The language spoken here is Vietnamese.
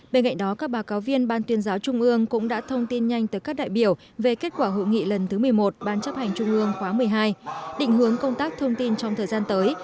bên cạnh đó các báo cáo viên ban tuyên giáo trung ương cũng đã thông tin nhanh tới các đại biểu về kết quả hội nghị lần thứ một mươi một ban chấp hành trung ương khóa một mươi hai định hướng công tác thông tin trong thời gian tới